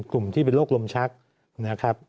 กลุ่มที่เป็นโรคลมชักนะครับ